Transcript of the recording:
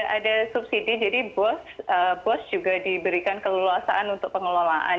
ada subsidi jadi bos juga diberikan keleluasaan untuk pengelolaan